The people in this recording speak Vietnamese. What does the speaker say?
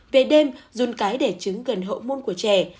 về đêm dung cái để trứng gần hộ môn của trẻ